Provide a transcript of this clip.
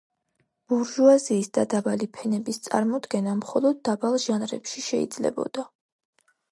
ბურჟუაზიის და დაბალი ფენების წარმოდგენა მხოლოდ დაბალ ჟანრებში შეიძლებოდა.